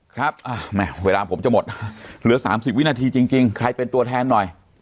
ครับเวลาผมจะหมดเหลือ๓๐วินาทีจริงใครเป็นตัวแทนหน่อย